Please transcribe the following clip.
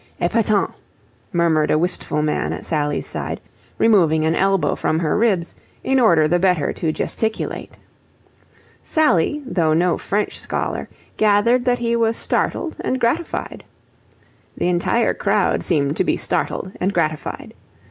"Epatant!" murmured a wistful man at Sally's side, removing an elbow from her ribs in order the better to gesticulate. Sally, though no French scholar, gathered that he was startled and gratified. The entire crowd seemed to be startled and gratified.